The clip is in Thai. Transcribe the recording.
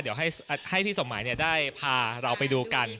เดี๋ยวให้พี่สมหมายได้พาเราไปดูกัน